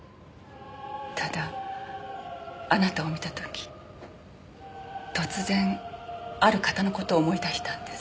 ただあなたを見た時突然ある方の事を思い出したんです。